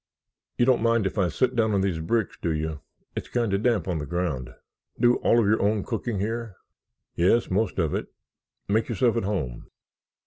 You don't mind if I sit down on these bricks, do you. It's kind of damp on the ground. Do all your own cooking here?" "Yes, most of it. Make yourself at home."